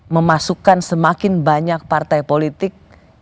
memasukkan semakin banyak partai politik